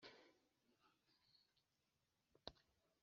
uzarambura amaboko undi agukenyeze akujyane